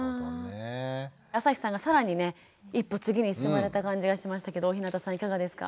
あさひさんが更にね一歩次に進まれた感じがしましたけど大日向さんいかがですか？